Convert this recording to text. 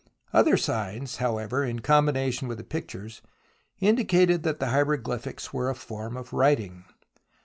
Other signs, however, in combination with the pictures, indicated that the hieroglyphics were a form of writing.